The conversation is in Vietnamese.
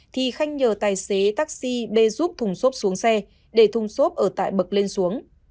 thì khanh nhờ tài xế taxi bê giúp thùng xốp xuống xe để thùng xốp ở tại bậc lên xuống